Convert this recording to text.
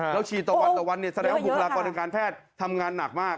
แล้วฉีดต่อวันนี่แสดงว่าบุคลากรรมการแพทย์ทำงานหนักมาก